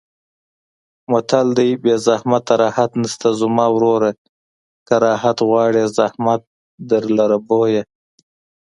متل دی: بې زحمته راحت نشته زما وروره که راحت غواړې زحمت درلره بویه.